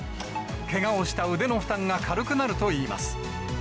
けがをした腕の負担が軽くなるといいます。